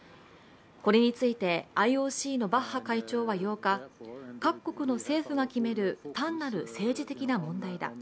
これについてＩＯＣのバッハ会長は８日、各国の政府が決める単なる政治的な問題だ。